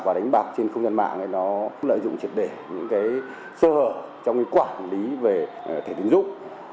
và đánh bạc trên không gian mạng nó lợi dụng trực để những sơ hở trong quản lý về thể tiến dụng